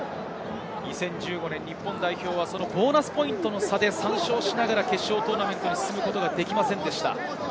２０１５年、日本代表はボーナスポイントの差で３勝しながら、決勝トーナメントに進むことができませんでした。